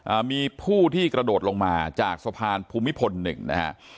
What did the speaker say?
อ่ามีผู้ที่กระโดดลงมาจากสะพานภูมิพลหนึ่งนะฮะ